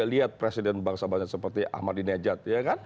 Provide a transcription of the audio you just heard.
lihat presiden bangsa seperti ahmadinejad